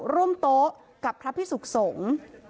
ร่วมโต๊ะกับพระพิสุขสงฆ์